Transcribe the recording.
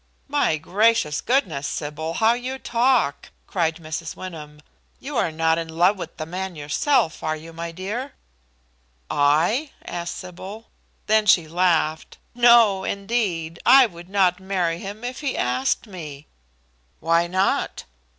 "Why gracious goodness, Sybil, how you talk!" cried Mrs. Wyndham; "you are not in love with the man yourself, are you, my dear?" "I?" asked Sybil. Then she laughed. "No, indeed! I would not marry him if he asked me." "Why not?"